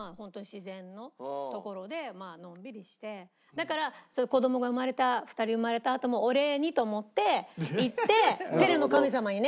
だから子供が生まれた２人生まれたあともお礼にと思って行ってペレの神様にね。